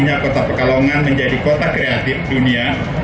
dengan peran dan upaya kita